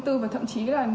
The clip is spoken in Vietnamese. thì thật ra